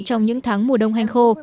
trong những tháng mùa đông hành khô